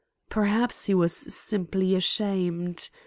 Perhaps he was simply ashamed.